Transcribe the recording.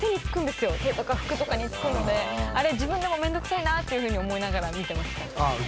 手とか服とかにつくのであれ自分でも。っていうふうに思いながら見てました。